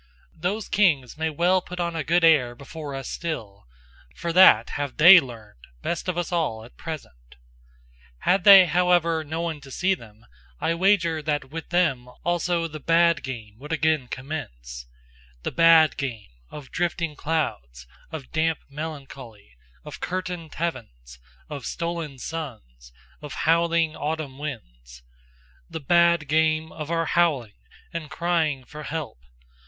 Those kings may well put on a good air before us still: for that have THEY learned best of us all at present! Had they however no one to see them, I wager that with them also the bad game would again commence, The bad game of drifting clouds, of damp melancholy, of curtained heavens, of stolen suns, of howling autumn winds, The bad game of our howling and crying for help!